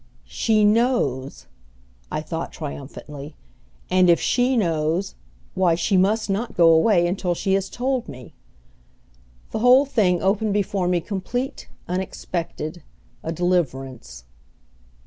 "She knows!" I thought triumphantly, "and if she knows, why, she must not go away until she has told me." The whole thing opened before me complete, unexpected, a deliverance.